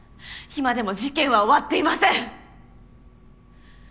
今でも事件は終わっていません。